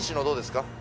どうですか？